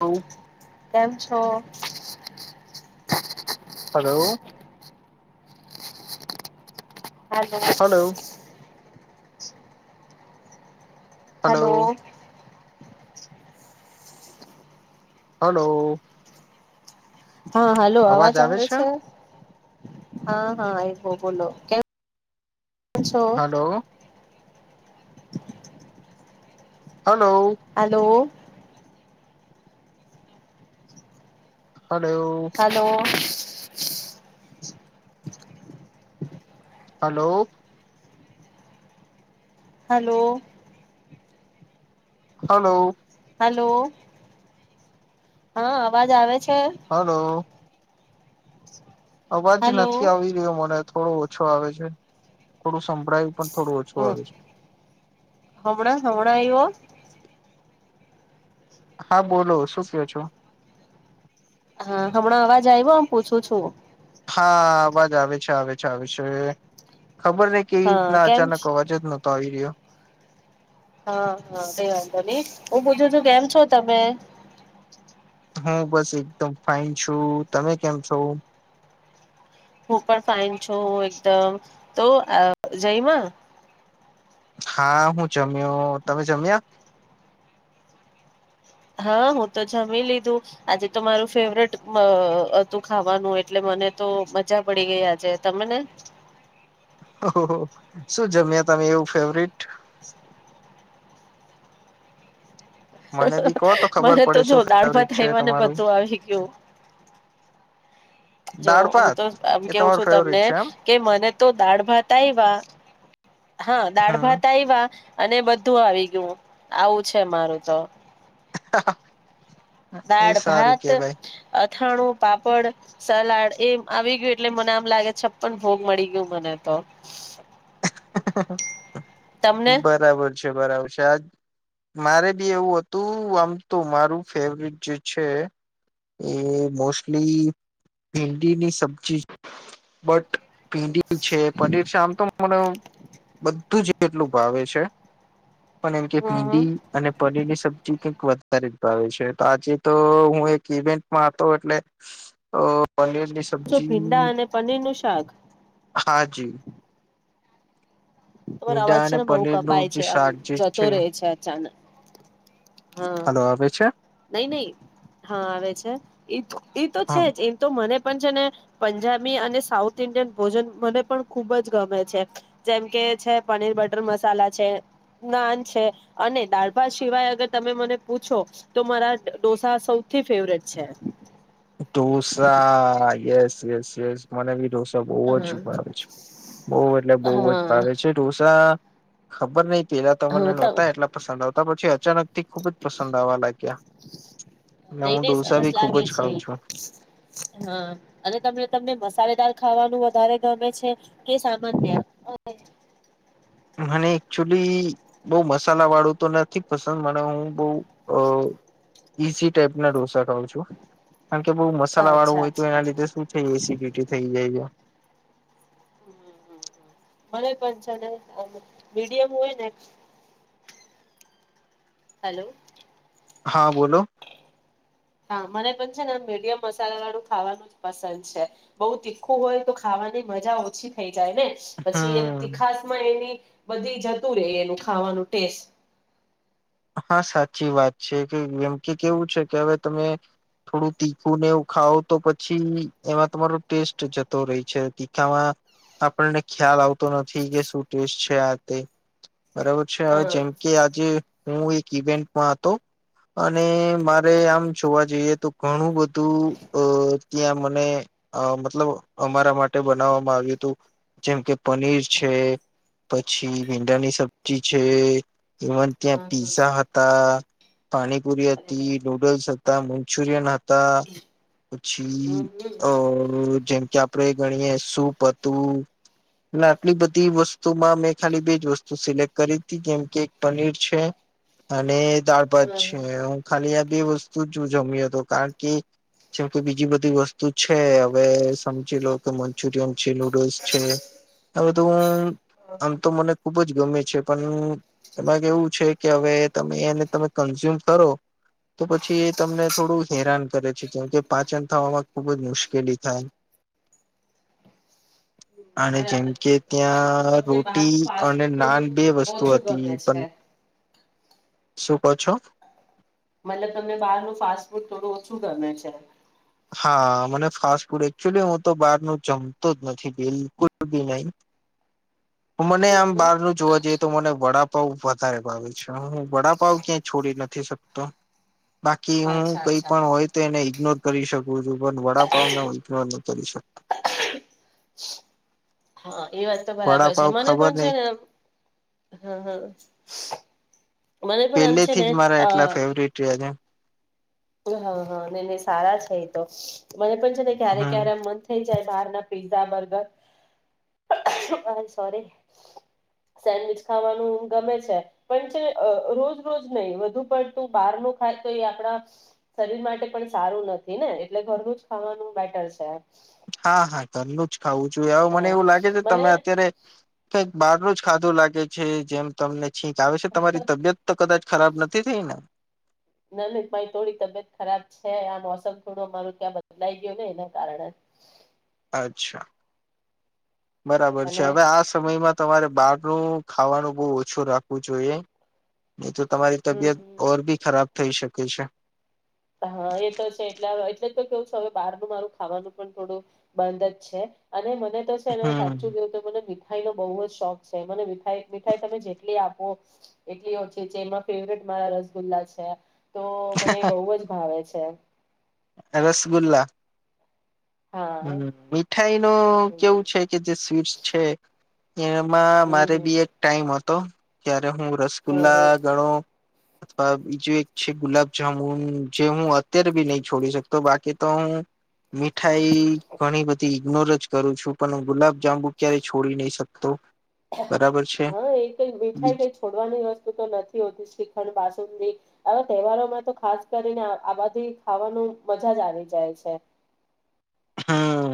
Hello કેમ છો hello hello hello hello hello હા હલો અવાજ આવે છે. હા હા આયવો બોલો કેમ કેમ છો hello hello hello hello hello hello hello hello hello હા અવાજ આવે છે હલો અવાજ હલો નથી આવી રહ્યો મને થોડો ઓછો આવે છે થોડું સંભળાયું પણ થોડું ઓછું હમ આવે છે હમણાં હમણાં એઓ. હા બોલો શું કયો છો. હા હમણાં અવાજ આવ્યોમ પૂછું છું. હા અવાજ આવે છે આવે છે આવે છે. ખબર નહ કે એવી હા રીતના કેમ અચાનક અવાજ જ ન તઈ રહ્યો. હા હા કઈ વાંધો નહી હું પૂછું છું કેમ છો તમે. હું બસ એકદમ ફાઈન છું તમે કેમ છો. હું પણ ફાાઈન છું એકદમ તો જયમાં. હા હું જમ્યો તમે જમ્યા. હા હું તો જમી લીધું આજે તો મારું ફેવરેટ હતું ખાવાનું એટલે મને તો મજા પડી ગઈ આજે તમેને. ઓહ શું જમ્યા તમે એવું ફેવરટ? [inaudible] મને બી કહો તો ખબર મને તો પડે જો શું દાડમાં ફેવરિટ થાય છે મને તમારું બધું આવી ગયું. જો દાળ હું ભાત તો આમ એ કેવું તમારું છું તમને ફેવરિટ છે એમ કે મને તો દાળ ભાત આઇવા હા દાળ હમ ભાત આઇવા અને બધું આવી ગયું આવું છે મારું તો. હા. દાળ ભાત અથાણું પાપડ સલાડ એમ આવી ગયું એટલે મને આમ લાગે છપ્પન ભોગ મળી ગયું મને તો. [unintelligible] તમને બરાબર છે. છે બરાબર છે આ મારે બી એવું હતું આમ તો મારું ફેવરટ જે છે એ મોસ્ટલી ભિંડીની સબ્જી બટ ભિંડી છે પનીર છે આમ તો મને બધું જ એટલું ભાવે છે પણ એમ કે હમ હમ. ભીંડી અને પનીરની સબ્જી વધારે જ ભાવ છે તો આજે તો હું એક ઇવેન્ટમાં હતો એટલે અ પનીરની શું ભીંડા સબ્જી અને પનીર નું શાક? હા જી. તમારો અવાજ ઈંડા છે અને ને બઉુ કપાય પનીરનું જે છે આમ શાક જતો રહે છે અચાનક. હા હલો આવે છે? નઈ નઈ હા આવે છે એ તો છે હા જ એ તો મને પણ છે ને પંજાબી અને સાઉથ ઈન્ડિયન ભોજન મને પણ ખુબ જ ગમે છે જેમ કે છે પનીર બટર મસાલા છે, નાન છે અને દાળ ભાત સિવાય અગર તમે મને પૂછો તો મારા ડોસા સૌથી ફેવરેટ છે. ડોસા યસ યસ યસ મને ભી ડોસા બહુ જ હા ભાવે છે બહ એટલે બહુ જ ભાવે હા છે ઢોસા ખબર નઈ પેલા ત મને હા નહોતા એટલા પસંદ આવતા પછી અચાનક થી ખુબ જ પસંદ આવવા લાગ્યા અને નઈ હું નઈ ઢોસા સરસ બી ખુબ લાગે જ છે ખઉં હા અને તમે તમને મસાલેદાર ખાવાનું વધારે ગમે છે કે સામાન્ય? મને એકચુલી બોઉ મસાલા વાળું તો નથી પસંદ મને હું બઉ ઈઝી ટાઈપના ઢોસા ખઉં છું. કારણ કે બઉુ મસાલા વાળું અચ્છા હોય તો અચ્છા એના લીધે શું થાય એસિડિટી થઈ જાય છે. મળે પણ છે ને મીડિયમ હોય ને હેલો. હા બોલો. હા મને પણ છે ને મીડિયમ મસાલા વાળું ખાવાનું જ પસંદ છે બઉ તીખું હોય તો ખાવાની મજા ઓછી થઈ જાય ને. પછી એમ હમ તીખાસ માં એની બધી જતું રે એનું ખાવાનું ટેસ્ટ. હા સાચી વાત છે કે એમ કે કેવું છે કે હવે તમે થોડું તીખું ને એવું ખાાવ તો પછી એમાં તમારો ટેસ્ટ જતો રહેહી છે તીખામાં આપણને ખ્યાલ આવતો. તો નથી કે શું ટેસ. શ આ તે. બરાબર છે હવે હા જેમ કે આજે. હું એક ઇવેન્ટમાં હતો અને મારે આમ જોવા જઈએ તો ઘણું બધું અ ત્યાં મને મતલબ અમારા માટે બનાવવામાં આવ્યું હતું જેમ કે પનીર છે પછી ભીંડાની સબ્જી છે. ત્યાં હા હા પીઝા હતા. પાણીપુરી અરે હતી વાહ નુડલ્સ હતા મંચુરિયન હતા પછી હમ હમ અ જેમ કે આપડે ગણીએ સૂપ હતું એટ આટલી બધી વસ્તુમાં મેં ખાલી બેજ વસ્તુ સિલેક્ટ કરી હતી જેમકે એક પનીર. અને દાળ ભાત છે હું ખાલી આ બે વસ્તુ જ જમી હતો કારણ કે જેમ કે બીજી બધી વસ્તુ છે હવે સમજી લો કે મંચુરિયન છે નુડલ્સ છે આ બધું હ આમ તો મને ખુબ જ ગમે છે પણ એમાં કેવું. કે હવે તમે એને તમે કન્ઝ્યુમ કરો તો પછી એ તમને થોડું હેરાન કરે છે જેમ કે પાચન થવામાં ખુબ જ મુશ્કેલી થાય અને જેમ બરાબર કે કીધું ત્યાં. અ તમે તો તમને રોટી બહારનું ફાસ્ટ અને ફૂડ નાન થોડું બે વસ્તુ ઓછું હતી ગમે છે પણ. શું કહો છો. મતલબ તમને બહાર નું ફાસ્ટ ફૂડ થોડું ઓછું ગમે છે હા મને ફાસ્ટ ફૂડ એકચુલી હું તો બાર ન જમતો જ નથી બિલકુલ બી નહી મને હમ આમ હમ બહારનું જોવા જઈએ તો મને વડાપાવ વધારે ભાવે છે હું વડાપાવ ક્યાંય છોડી નથી શકતો. બાકી હું અચ્છા કઈ અચ્છા પણ હોય તો એને ઈગ્નોર. કરી શકોું છું. બ વડાપાવ ન. તલીસઠ. હા. એ વાત તો બરાબર છે મને પણ છે ને હા હા. મને પણ આમ છે પેલેથી ને જ મારા અ એટલા ફેવરિટ રહ્યા છે. હા હા ને સારા છે એ તો. મને પણ છે ને ક્યારે હમ ક્યારે મન થઈ જાય. બહાર ના પિ્ઝા બર્ગર આ સોરી સેન્ડવીચ ખાવાનું ગમે છે પણ છે રોજ રોજ નહીિ વધુ પણ તું બહાર ન ખાય તો એ આપડા શરીર માટે પણ સારું નથી ને એટલે ઘરનું જ ખાવાનું બેટર છે હા હા કરલું જ ખાવું જોઈએ હ મને હા એવું લાગે છે મને તમે અત્યારે કઈક બાર ટું જ ખાધું લાગે છે જેમ તમને ઠીક આવે છે તમારી તબિયત તો કદાચ ખરાબ નથી થઈ ને ના ન મારી થોડી તબિયત ખરાબ છે આ મોસમ થોડું મારું ત્યાં બદલાઈ ગયું ને એના કારણે અચ્છા બરાબર છે અને હવે આ સમયમાં તમારે બાાર આપું ખાવાનું બહ ઓછું રાખવું જોઈએ નહી તો તમારી હમ તબીયત ર ભી ખરાબ થઈ શકે છે હા એ તો છે એટલે એટલે તો કેવું છ હવે બહારનું મારું ખાવાનું પણ થોડું બંધ જ છે અને મેતો છે ને હમ સાચું બોલતો મને ઠાઈ નો બહુ જ શોખ છે મને મીઠાઈ મીઠાઈ તમે જેટલી આપો એટલી ઓછી છેલમાં ફેવરિટ મારા રસગુલ્લા છે. તો મને બઉ જ આવે છે આય રસગુલ્લા. હા હમ મીઠાઈ નો હમ કેવું છે કે જે સ્વીટસ છે એમાં હમ મારે હમ બી એક ટાઈમ હત તો ક્યાર હું હમ રસગુલ્લા હમ ઘણો અથવા બીજું એક છે ગુલાબજામુન જે હું અત્યારે બી નહી છોડી શકતો બાકી તો હું મીઠાઈ તી ઘણી બધી ઈગ્નોર જ કરું છું પન હું ગુલાબ જાંબુ ક્યારેય છોડી નહી શક તો હા એ કઈ મીઠાઈ બીજ કઈ છોડવાની વસ્તુ તો નથી હોતી શ્રીખંડ બાસુંદી આવા તહેવારોમાં તો ખાસ કરીને આ બધી ખાવાનું મજા જ આવી જાય છે. હમ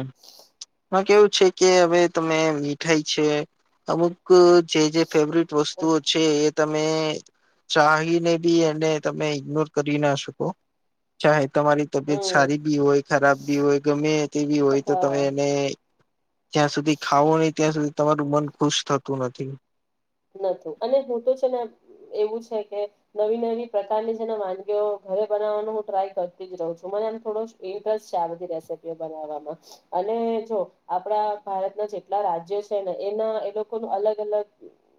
આમાં કેવું છે કે હવે તમે મીઠાઈ છે અમુક ક જે જે ફેવરિટ વસ્તુઓ છે એ તમે ચાહીને બી એને તમે ઇગ્નોર કરી ના શકો ચાહે તમારી તબિયત હમ સારી બી હોય ખરાબ બી હોય તે તેવી હોય તો તમે હા એને જ્યાં સુધી ખાવો હોય ત્યાં સુધી તમારું મન ખુશ થતું નથી. નતુ અને હું તો છે ને એવું છે કે નવી નવી પ્રકારની છે ને વાનગીઓ ઘરે બનાવવાનું હું ટ્રાય કરતી જ રહું છું મને આમ થોડો ઇન્ટરસ્ટ છે આ બધી રેસીપી બનાવવામાં અને જો આપડા ભારતના જેટલા રાજ્યો છે ને એના એ લોકોનું અલગ અલગ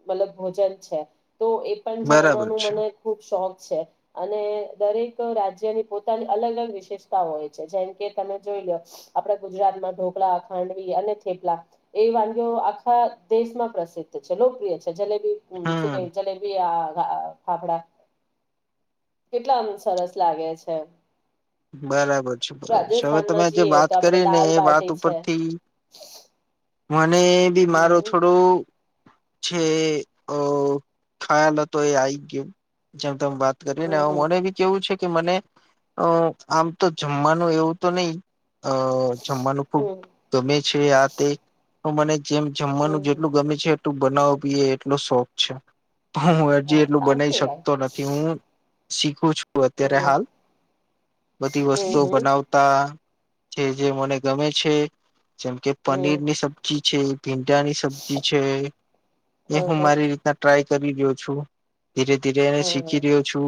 મતલબ ભોજન છે તો એ પન બરાબર જાણવાનું છે મને ખુબ શોખ છે. અને દરેક રાજ્યની પોતાની અલગ અલગ વિશેષતા હોય છે જેમ કે તમે જોઈ લો આપડા ગુજરાતમાં ઢોકલા ખાંડવી અને થેપલા એ વાનગી આખા દેશમાં પ્રસિદ્ધ છે લોકપ્રિય છે. સજ્જ લે હ હમ સુકે જલેબી આ હા ફાફડા કેટલામ સરસ લાગે છે. બરાબર છે બરાબર છે હવે તમે રાજસ્થાનમાં જે જઈએ વાત તો આપડે કરી ને દાલ એ વાત બાટી છે ઉપરથી અને બી મારો હમ હમ થોડો છે અ ખાયલો તો એ આઈ ગ્યો જેમ તેમ વાત કરી ને આવું હમ મને બી કેવું છે કે મને અ આમ તો જમવાનું એવું તો નહી અ જમવાનું ખુબ હમ ગમે છે આ તે તો મને જેમ હમ જમવાનું હમ જેટલું ગમે છે તું બનાવ પીએ એટલો શોખ છે હું હજી હા એટલું સારું બનાઈ કેવાય શકતો નથી હું શીખું છો ક અ તેરે હમ હાલ બધી વસ્તુઓ હમ હમ બનાવતા જે જે મને ગમે છે જેમ કે હમ પનીરની સબ્જી છે ભીંડાની સબ્જી છે હ હ એ હું હ હ મારી રીતના ટ્રાય કરી ગ્યો છું ધીરે ધીરે એને હમ શીખી રહ્યો છું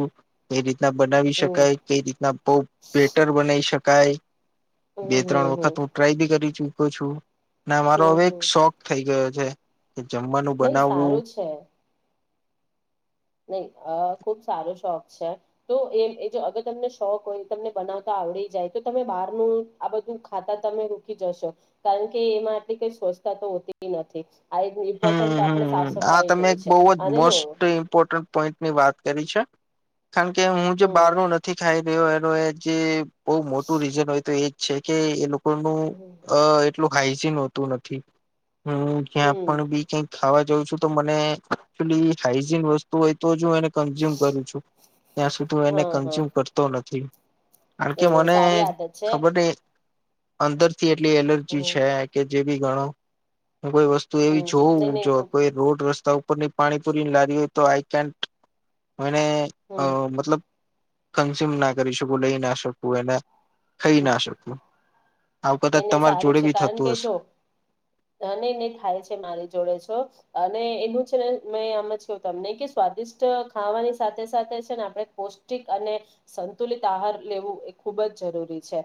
એ જ બનાવી હમ શકાય કઈ રીતના બહ સ્વેટર બનાઈ શકાય બે હમ હમ ત્રણ વખત હું ટ્રાય બી કરી છું ક છું ને મારો હમ હવે એક હમ. શોક થઈ ગયો છે જે કે જમવાનું નહી બનાવવું સારું છે નહી ખુબ સારો શોખ છે તો એ જો અગર તમને શોખ હોય તમને બનાવતા આવડી જાય તો તમે બહારનું આ બધું ખાતા તમે રૂકી જશો કારણ કે એમાં આટલી કઈ સ્વચ્છતા તો હોતી નથી હ એ ઇમ્પોર્ટન્ટ તો હમ આપે સાફ હમ આ સફાઈ તમે જોય એક છે બહુ જ અને જો મોસ્ટ ઇમ્પોર્ટન્ટ પોઈન્ટની વાત કરી છે કારણ કે હું જે હમ બહાર નું નથી ખાઈ [unintelligible] બહુ મોટું રીઝન હોય તો એ છે કે એ લોકો [unintelligible] હમ એટલું હાઈજીન હોતું નથી હમ ક્યા હમ [unintelligible] ખવાઉં છું તો મને હાઈજીન વસ્તુ હોય તો જો કઝ્યુમ કરું છું ત્યાં સુધી હ એને હા હા કન્ઝ્યુમ કરતો નથી કારણ કે નઈ નહી મને સારી આદત છે ખબર અંદર થી એટલી એલર્જી હમ છે કે જે બી ગણો હું કો તો એવી હમ હમ નઈ જોવું નહી જો ખુબ કોઈ રોડ રસ્તા ત ઉપરની પાણીપુરીની લારી હોય તો આઈ કેન્ટ મને અ હમ મતલબ કન્ઝ્યુમ ના કરી શકું લઈ ના શકું એને ખહી ના શકું આવું નહી કદાચ નહી તમારા સારું જોડે છે બી કારણ થતું કે હશે જો નહી નહી થાય છે મારી જોડે છો અને એનું છેને મે આમ તમને કે સ્વાદિષ્ટ ખાવાની સાથે સાથે છે ને આપણે પૌષ્ટિક અને સંતુલિત આહાર લેવું એ ખુબ જ જરૂરી છે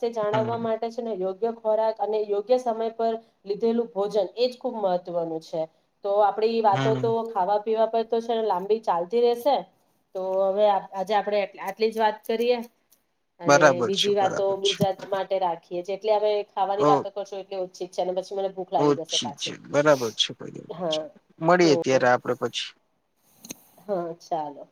તે જાણવા હમ માટે યોગ્ય ખોરાક અને યોગ્ય સમય પર લીધેલું ભોજન એજ ખુબ મહત્વનું છે તો આપડી વાતો હમ તો ખાવા પીવા પર તો લાંબી ચાલતી રશે તો હવે આજે આપણે આટલી જ વાત કરીએ અને બરાબર છે બીજી વાતો બરાબર છે બીજા માટે રાખી એટલે હ ખાવાની ઓ વાતો કરશો એટલે [inaudible] મને ભૂખ લાગી જશે ઓછી છે પાછી બરાબર છે બરાબર છે. હા મળીએ હમ ત્યારે આપડે પછી હા ચાલો